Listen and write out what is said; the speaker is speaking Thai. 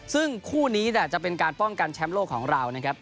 ซึ่งคู่นี้จะเป็นการป้องกันแชมป์โลกของเรานะครับ